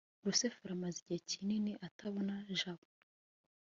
rusufero amaze igihe kinini atabona jabo